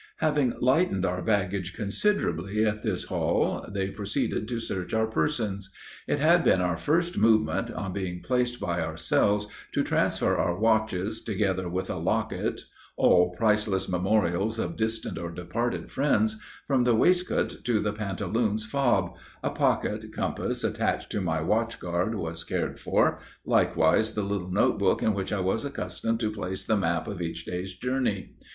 "Having lightened our baggage considerably at this haul, they proceeded to search our persons. It had been our first movement, on being placed by ourselves, to transfer our watches, together with a locket, all priceless memorials of distant or departed friends from the waistcoat to the pantaloons fob; a pocket compass attached to my watchguard, was cared for; likewise, the little note book in which I was accustomed to place the map of each day's journey.